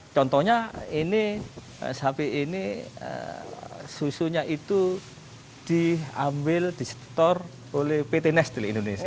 contohnya ini sapi ini susunya itu diambil di store oleh pt nestle indonesia